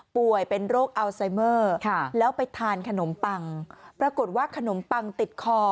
ป่วยเป็นโรคอัลไซเมอร์แล้วไปทานขนมปังปรากฏว่าขนมปังติดคอ